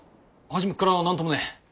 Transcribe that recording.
初めからなんともねえ。